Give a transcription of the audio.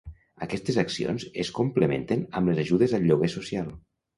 Aquestes accions es complementen amb les ajudes al lloguer social.